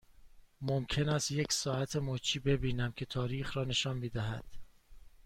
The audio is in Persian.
ممکن است یک ساعت مچی ببینم که تاریخ را نشان می دهد؟